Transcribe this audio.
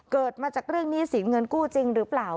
เกิดมาจากเรื่องหนี้สินเงินกู้จริงหรือเปล่า